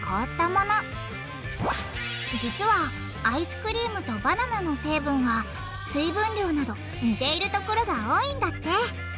実はアイスクリームとバナナの成分は水分量など似ているところが多いんだって。